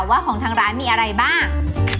ว่าของทางร้านมีอะไรบ้าง